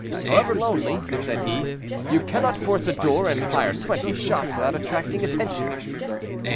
"However lonely," said he, "you cannot force a door and fire twenty shots without attracting attention."